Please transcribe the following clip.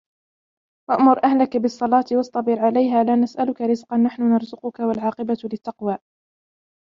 وَأْمُرْ أَهْلَكَ بِالصَّلَاةِ وَاصْطَبِرْ عَلَيْهَا لَا نَسْأَلُكَ رِزْقًا نَحْنُ نَرْزُقُكَ وَالْعَاقِبَةُ لِلتَّقْوَى